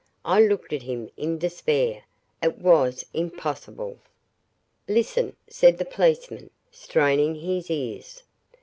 I looked at him in despair. It was impossible. "Listen," said the policeman, straining his ears.